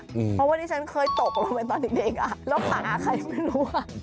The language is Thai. เพราะว่าดิฉันเคยตกลงไปตอนเด็กอ่ะแล้วผ่าอ่ะใครไม่รู้อ่ะ